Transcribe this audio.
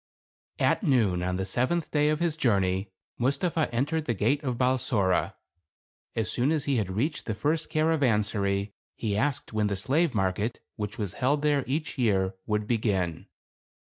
At noon, on the seventh day of his journey, Mustapha entered the gate of Balsora. As soon as he had reached the first caravansary, he asked 172 THE CAB AVAN. when the slave market, which was held there each year, would begin.